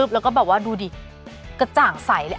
แล้วก็แบบว่าดูดิกระจ่างใสเลย